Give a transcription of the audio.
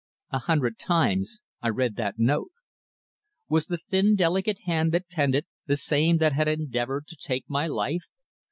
A hundred times I read that note. Was the thin, delicate hand that penned it the same that had endeavoured to take my life?